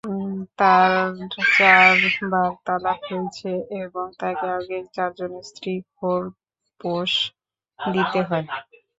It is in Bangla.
তার চারবার তালাক হয়েছে এবং তাকে আগের চারজন স্ত্রীর খোরপোশ দিতে হয়।